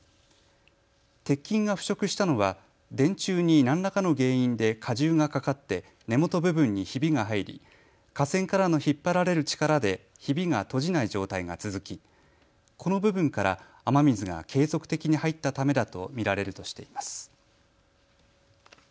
鉄筋が腐食したのは電柱に何らかの原因で荷重がかかって根元部分にひびが入り架線からの引っ張られる力でひびが閉じない状態が続きこの部分から雨水が継続的に入ったためだと見られるとしています。